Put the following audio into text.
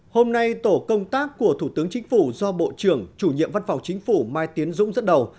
hôm nay tổ công tác của thủ tướng chính phủ do bộ trưởng chủ nhiệm văn phòng chính phủ mai tiến dũng dẫn đầu